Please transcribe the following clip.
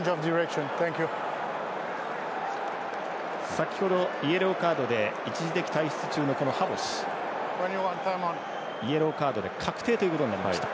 先ほどイエローカードで一時的退出中のハボシ、イエローカードで確定となりました。